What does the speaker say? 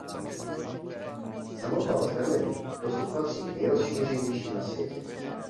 Samopal Sterling dosud patří k nejrozšířenějším na světě.